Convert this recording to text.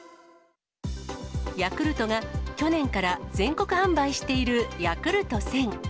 ヤクルトが去年から全国販売しているヤクルト１０００。